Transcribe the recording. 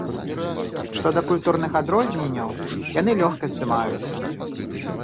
Што да культурных адрозненняў, яны лёгка здымаюцца.